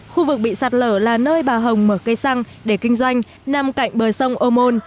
khu vực bị sạt lở là nơi bà hồng mở cây xăng để kinh doanh nằm cạnh bờ sông ô môn